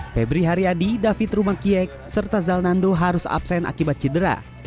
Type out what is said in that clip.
febri hariadi david rumakiek serta zal nando harus absen akibat cedera